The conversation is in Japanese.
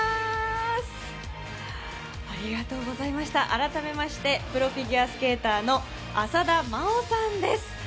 改めましてプロフィギュアスケーターの浅田真央さんです。